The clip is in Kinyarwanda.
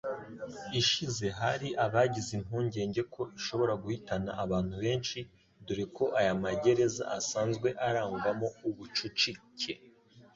ishize, hari abagize impungenge ko ishobora guhitana abantu benshi, dore ko aya magereza asanzwe arangwamo ubucucike.